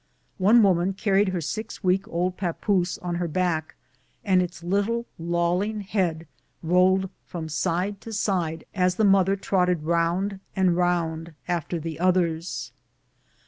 One wom an carried her six weeks' old papoose on her back, and its little, lolling head rolled from side to side as the mother trotted round and round after the others.